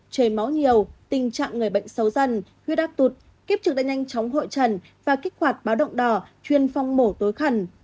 trời máu nhiều tình trạng người bệnh xấu dần huyết áp tụt kiếp trực đã nhanh chóng hội trần và kích hoạt báo động đỏ chuyên phong mổ tối khẩn